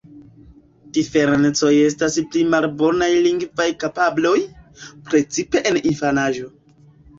Diferencoj estas pli malbonaj lingvaj kapabloj, precipe en infanaĝo.